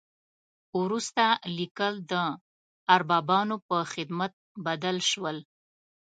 وروسته لیکل د اربابانو په خدمت بدل شول.